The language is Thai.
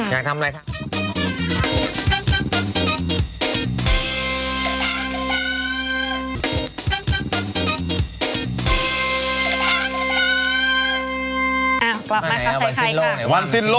อยากทำอะไรทำเลย